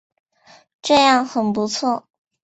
这样很不错